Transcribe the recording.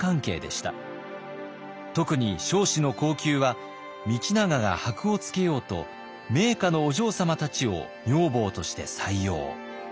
特に彰子の後宮は道長がはくをつけようと名家のお嬢様たちを女房として採用。